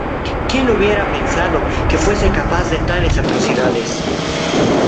¿ Quién hubiera pensado que fuese capaz de tales atrocidades?